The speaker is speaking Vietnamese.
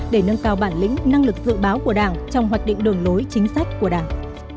để nâng cao bản lĩnh năng lực dự báo của đảng trong hoạch định đường lối chính sách của đảng